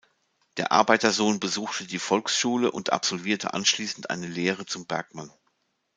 Der Arbeitersohn besuchte die Volksschule und absolvierte anschließend eine Lehre zum Bergmann.